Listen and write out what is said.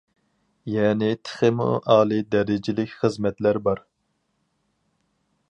يەنى تېخىمۇ ئالىي دەرىجىلىك خىزمەتلەر بار.